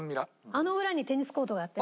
あの裏にテニスコートがあってね。